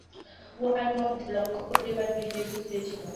উহার মধ্যে লক্ষ্য করিবার বিষয় কিছুই ছিল না।